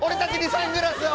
◆サングラスを！